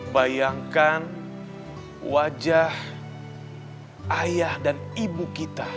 bayangkan wajah ayah dan ibu kita